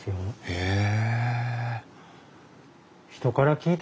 へえ！